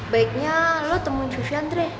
baiknya lo temuin vivian dre